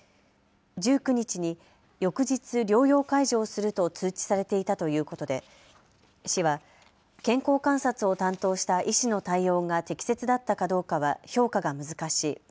１９日に翌日、療養解除をすると通知されていたということで市は健康観察を担当した医師の対応が適切だったかどうかは評価が難しい。